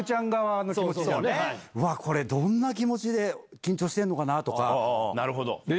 これどんな気持ちで緊張してんのかな？とか。